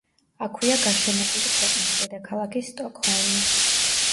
აქვეა გაშენებული ქვეყნის დედაქალაქი სტოკჰოლმი.